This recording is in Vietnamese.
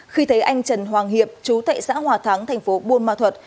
khi thấy anh trần hoàng hiệp chú tại xã hòa thắng thành phố buôn ma thuật